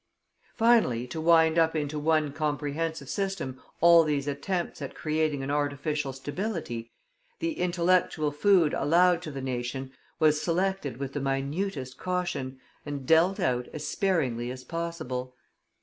Finally, to wind up into one comprehensive system all these attempts at creating an artificial stability, the intellectual food allowed to the nation was selected with the minutest caution, and dealt out as sparingly as possible.